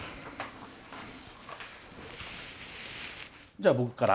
じゃ僕から。